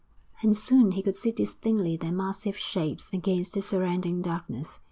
And soon he could see distinctly their massive shapes against the surrounding darkness.